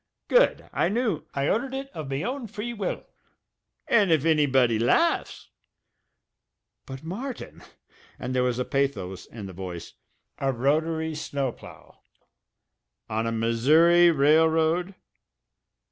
"Good! I knew " "I ordered it of me own free will. And if annybody laughs " "But, Martin" and there was pathos in the voice "a rotary snow plough? On a Missouri railroad?